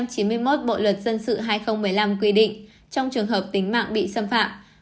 điều năm trăm chín mươi một bộ luật dân sự hai nghìn một mươi năm quy định trong trường hợp tính mạng bị xâm phạm